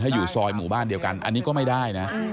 อยู่ซอยหมู่บ้านเดียวกันอันนี้ก็ไม่ได้นะ